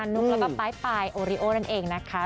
นุกแล้วก็ปลายโอริโอนั่นเองนะคะ